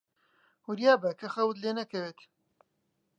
وریابە کە خەوت لێ نەکەوێت.